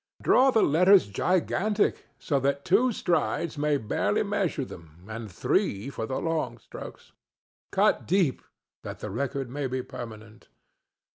Draw the letters gigantic, so that two strides may barely measure them, and three for the long strokes; cut deep, that the record may be permanent.